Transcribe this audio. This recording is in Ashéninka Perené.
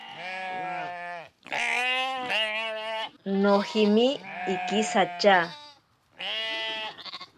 Nojime ikisatya.